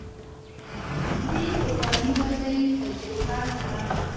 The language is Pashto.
دې توفاني وده یې تجربه کړه